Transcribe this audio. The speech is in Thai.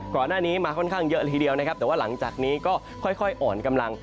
ก่อนหน้านี้มาค่อนข้างเยอะเลยทีเดียวนะครับแต่ว่าหลังจากนี้ก็ค่อยอ่อนกำลัง